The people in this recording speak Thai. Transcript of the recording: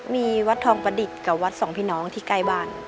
มีวัดทองประดิษฐ์กับวัดสองพี่น้องที่ใกล้บ้าน